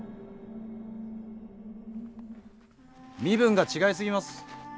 身分が違い過ぎます。